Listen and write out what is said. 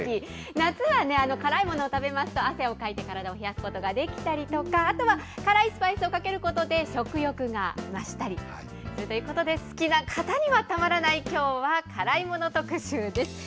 夏はね、辛いものを食べますと汗をかいて体を冷やすことができたりとか、あとは、辛いスパイスをかけることで、食欲が増したりするということで、好きな方にはたまらない、きょうは辛いもの特集です。